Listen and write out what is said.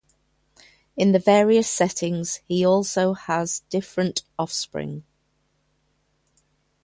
In the various settings, he also has different offspring.